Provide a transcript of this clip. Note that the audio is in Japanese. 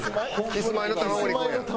キスマイの玉森君。